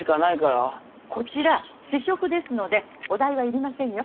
こちら試食ですのでお代は要りませんよ。